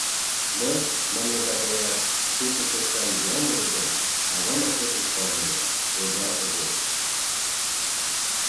— Мый, манмыда гаяк, шуко шочшан лиям ыле гын, кава марте кушкам ыле! — ойла Овоп.